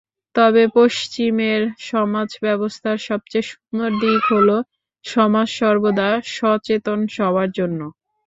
তবে পশ্চিমের সমাজ ব্যবস্থার সবচেয়ে সুন্দর দিক হলো, সমাজ সর্বদা সচেতন সবার জন্য।